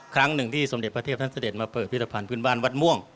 ครั้งหนึ่งที่สมเด็จพระเทพท่านเสด็จมาเปิดพิธภัณฑ์พื้นบ้านวัดม่วง